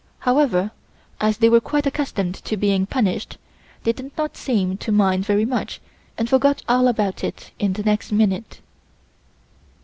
However, as they were quite accustomed to being punished they did not seem to mind very much and forgot all about it the next minute.